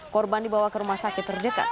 korban dibawa ke rumah sakit terdekat